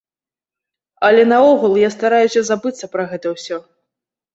Але наогул, я стараюся забыцца пра гэта ўсё.